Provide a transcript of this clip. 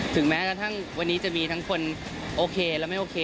ถึงแม้วันนี้จะมีทั้งคนโอเคและไม่โอเค